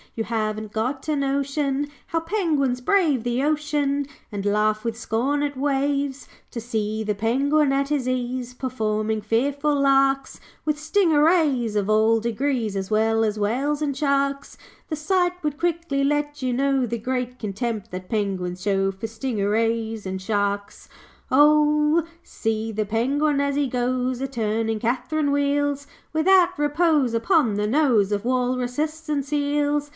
You haven't got a notion How penguins brave the ocean And laugh with scorn at waves. 'To see the penguin at his ease Performing fearful larks With stingarees of all degrees, As well as whales and sharks; The sight would quickly let you know The great contempt that penguins show For stingarees and sharks. 'O see the penguin as he goes A turning Catherine wheels, Without repose upon the nose Of walruses and seals.